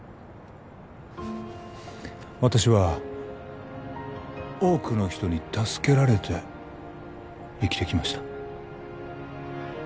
私は多くの人に助けられて生きてきました